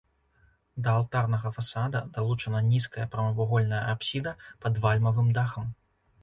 Да алтарнага фасада далучана нізкая прамавугольная апсіда пад вальмавым дахам.